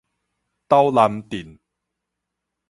斗南鎮